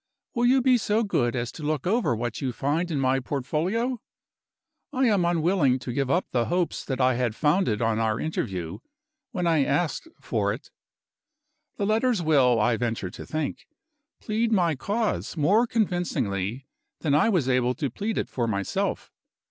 Will you be so good as to look over what you find in my portfolio? I am unwilling to give up the hopes that I had founded on our interview, when I asked for it. The letters will, I venture to think, plead my cause more convincingly than I was able to plead it for myself.